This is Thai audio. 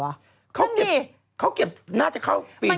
เขาเก็บหน้าจะเข้าฟีดนี่น่ะว่าแป๊บนี้